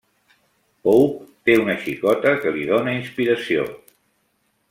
Pope té una xicota que li dóna inspiració.